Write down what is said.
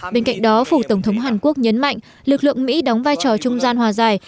bên cạnh đó phủ tổng thống hàn quốc nhấn mạnh lực lượng mỹ đóng vai trò trung gian hòa giải